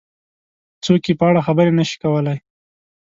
څوک یې په اړه خبرې نه شي کولای.